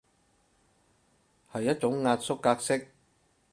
係一種壓縮格式